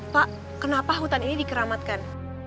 pak kenapa hutan ini dikeramatkan